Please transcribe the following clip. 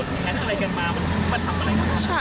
เหตุการณ์เกิดขึ้นแถวคลองแปดลำลูกกา